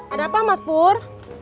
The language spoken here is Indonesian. ada apa mas pur